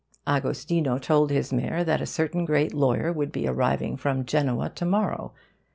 Agostino told his mayor that a certain great lawyer would be arriving from Genoa to morrow.